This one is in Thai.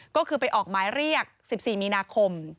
ก็คือไปออกหมายเรียก๑๔มีนาคม